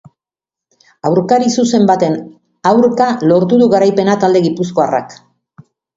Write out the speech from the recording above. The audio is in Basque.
Aurkari zuzen baten aurka lortu du garaipena talde gipuzkoarrak.